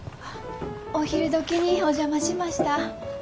あお昼どきにお邪魔しました。